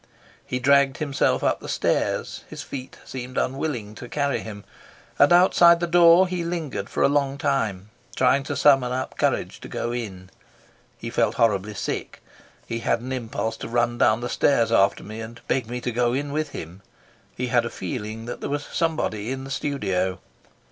He dragged himself up the stairs; his feet seemed unwilling to carry him; and outside the door he lingered for a long time, trying to summon up courage to go in. He felt horribly sick. He had an impulse to run down the stairs after me and beg me to go in with him; he had a feeling that there was somebody in the studio.